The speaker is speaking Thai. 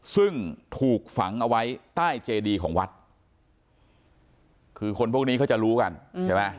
ซึ่งถูกฝังเอาไว้ใต้เจดีของวัดคือคนพวกนี้เขาจะรู้กันใช่ไหม